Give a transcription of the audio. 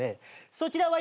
そちらは今。